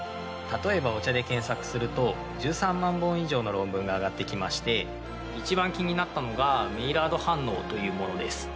例えば、お茶で検索すると１３万本以上の論文が上がってきまして一番気になったのがメイラード反応というものです。